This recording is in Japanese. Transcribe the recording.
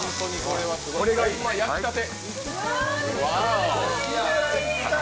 これは今、焼きたて。